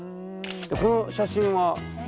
この写真は？